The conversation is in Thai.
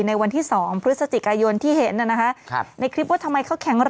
ในวันที่สองพฤศจิกายนที่เห็นน่ะนะฮะครับในคลิปว่าทำไมเขาแข็งแรง